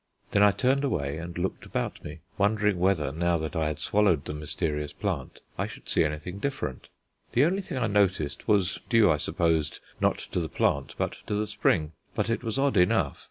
Then I turned away and looked about me, wondering whether, now that I had swallowed the mysterious plant, I should see anything different. The only thing I noticed was due, I suppose, not to the plant, but to the spring; but it was odd enough.